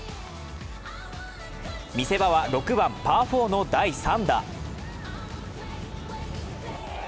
見せ場は６番・パー４の第３打。